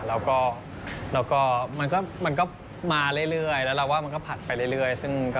แล้วก็มันก็มาเรื่อยแล้วเราว่ามันก็ผัดไปเรื่อย